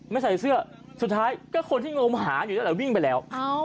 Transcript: ไม่ใส่เสื้อสุดท้ายก็คนที่งงหาอยู่แล้ววิ่งไปแล้ว